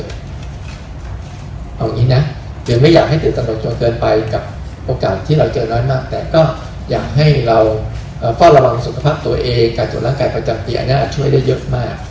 อย่างนี้นะยังไม่อยากให้ตื่นตนหรอกตัวเกินไปกับโอกาสที่เราเจอน้อยมากแต่อยากให้เราฟร้อมรวมสุขภาพตัวเองการตรวจรังกายปกตินี่จะช่วยได้เยอะมาก